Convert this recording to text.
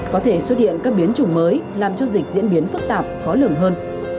có thể xuất hiện các biến chủng mới làm cho dịch diễn biến phức tạp khó lường hơn